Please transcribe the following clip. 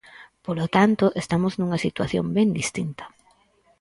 Polo tanto, estamos nunha situación ben distinta.